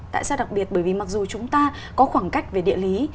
tại sao đặc biệt bởi vì mặc dù chúng ta có khoảng cách về địa lý